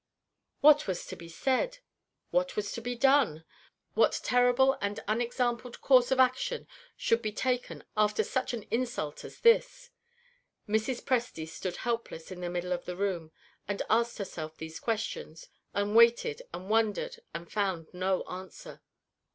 What was to be said? What was to be done? What terrible and unexampled course of action should be taken after such an insult as this? Mrs. Presty stood helpless in the middle of the room, and asked herself these questions, and waited and wondered and found no answer.